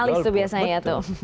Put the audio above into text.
jurnalis tuh biasanya tuh